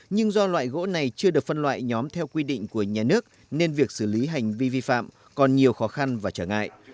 nhưng do loại gỗ này chưa được phân loại nhóm theo quy định của nhà nước nên việc xử lý hành vi vi phạm còn nhiều khó khăn và trở ngại